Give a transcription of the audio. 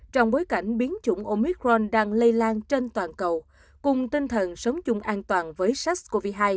trong bối cảnh biến chủng omicron đang lây lan trên toàn cầu cùng tinh thần sống chung an toàn với sars cov hai